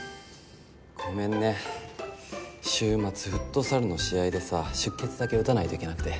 ごめんね週末フットサルの試合でさ出欠だけ打たないといけなくて。